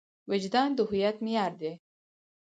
وجدان د هویت معیار دی.